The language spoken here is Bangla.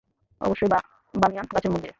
অবশ্যই বানয়ান গাছের মন্দিরে।